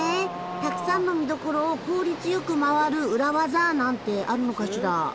たくさんの見どころを効率良く回る裏技なんてあるのかしら？